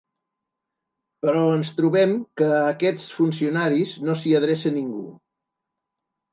Però ens trobem que a aquests funcionaris no s’hi adreça ningú.